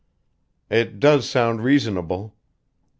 "It does sound reasonable."